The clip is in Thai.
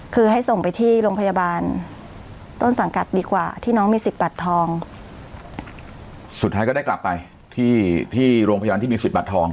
คือให้ส่งไปที่โรงพยาบาลต้นสังกัดดีกว่าที่น้องมีสิทธิบัตรทองสุดท้ายก็ได้กลับไปที่ที่โรงพยาบาลที่มีสิทธิบัตรทอง